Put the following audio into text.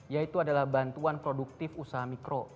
yaitu adalah bantuan produktif usaha mikro